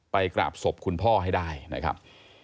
กราบศพคุณพ่อให้ได้นะครับ